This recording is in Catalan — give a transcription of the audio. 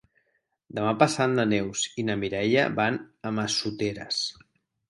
Demà passat na Neus i na Mireia van a Massoteres.